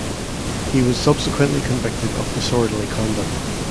He was subsequently convicted of disorderly conduct.